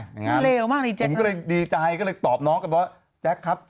แบบนั้นผมก็เลยดีใจก็เลยตอบน้องกันว่าแจ๊คครับ